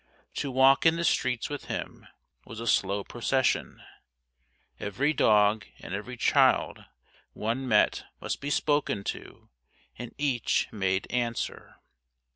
To walk in the streets with him was a slow procession. Every dog and every child one met must be spoken to, and each made answer.